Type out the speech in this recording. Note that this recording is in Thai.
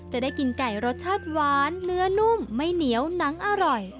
จะได้กินไก่รสชาติหวานเนื้อนุ่มไม่เหนียวหนังอร่อย